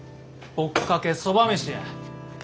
ぼっかけそばめしや！